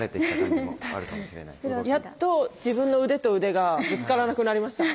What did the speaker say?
やっと自分の腕と腕がぶつからなくなりました。